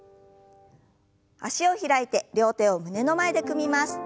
脚を開いて両手を胸の前で組みます。